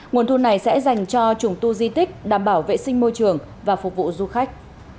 nguồn thu này sẽ dành cho trùng tu di tích đảm bảo vệ sinh môi trường và phục vụ du khách